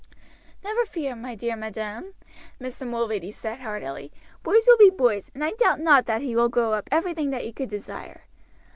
"Never fear, my dear madam," Mr. Mulready said heartily. "Boys will be boys, and I doubt not that he will grow up everything that you could desire.